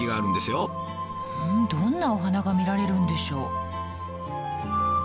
どんなお花が見られるんでしょう？